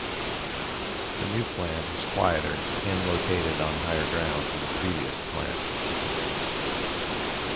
The new plant is quieter and located on higher ground than the previous plant.